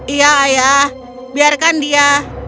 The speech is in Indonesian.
iya ayah biarkan dia